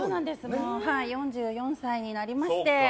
もう４４歳になりまして。